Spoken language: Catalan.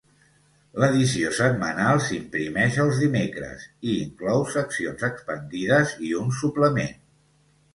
L'edició setmanal s'imprimeix els dimecres, i inclou seccions expandides i un suplement.